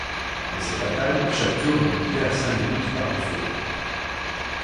Dans ces batailles, chaque tour est limité à cinq minutes par défaut.